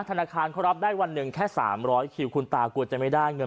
ธนาคารเขารับได้วันหนึ่งแค่๓๐๐คิวคุณตากลัวจะไม่ได้เงิน